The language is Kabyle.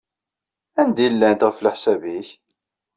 Anda ay llant, ɣef leḥsab-nnek?